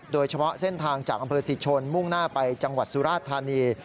โดยเฉพาะเส้นทางจากอำเภอศรีชนมุ่งหน้าไปจังหวัดสุราชธานี